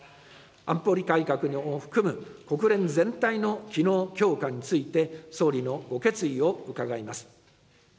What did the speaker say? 安保理改革を含む国連全体の機能強化について、総理のご決意を伺います。